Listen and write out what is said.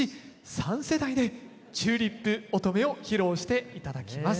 ３世代で「チューリップ乙女」を披露して頂きます。